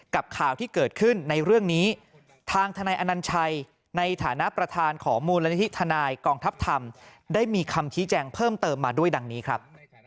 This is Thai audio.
ข่าวที่เกิดขึ้นในเรื่องนี้ทางทนายอนัญชัยในฐานะประธานของมูลนิธิทนายกองทัพธรรมได้มีคำชี้แจงเพิ่มเติมมาด้วยดังนี้ครับ